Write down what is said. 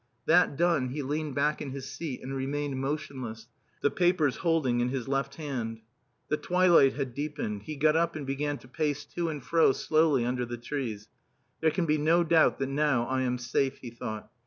That done, he leaned back in his seat and remained motionless, the papers holding in his left hand. The twilight had deepened. He got up and began to pace to and fro slowly under the trees. "There can be no doubt that now I am safe," he thought.